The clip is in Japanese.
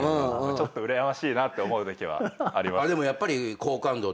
ちょっとうらやましいなって思うときはありますね。